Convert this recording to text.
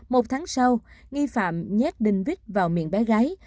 một tháng sau nghi phạm nhét đinh vít vào miệng bé gái